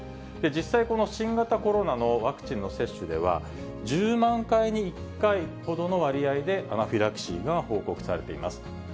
実際、この新型コロナのワクチンの接種では、１０万回に１回ほどの割合で、アナフィラキシーが報告されています。